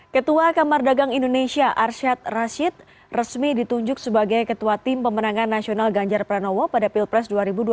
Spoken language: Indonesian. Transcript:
ketua kamar dagang indonesia arsyad rashid resmi ditunjuk sebagai ketua tim pemenangan nasional ganjar pranowo pada pilpres dua ribu dua puluh